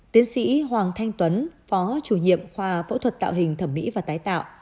tiến sĩ hoàng thanh tuấn phó chủ nhiệm khoa phẫu thuật tạo hình thẩm mỹ và tái tạo